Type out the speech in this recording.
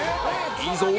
いいぞ！